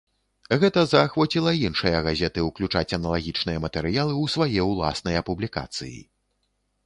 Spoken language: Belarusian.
Гэта заахвоціла іншыя газеты ўключаць аналагічныя матэрыялы ў свае ўласныя публікацыі.